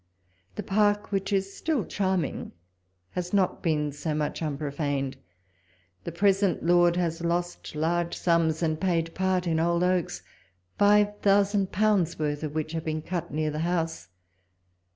The park, which is still charming, has not been so much unprofaned ; the present Lord has lost large sums, and paid part in old oaks, five thou sand pounds of which have been cub near the house.